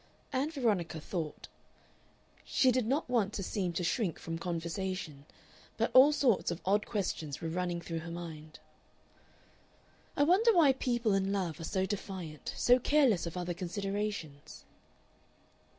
Ann Veronica thought. She did not want to seem to shrink from conversation, but all sorts of odd questions were running through her mind. "I wonder why people in love are so defiant, so careless of other considerations?"